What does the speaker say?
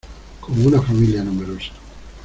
como una familia numerosa.